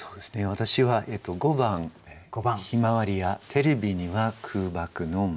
私は５番「向日葵やテレビには空爆の街」。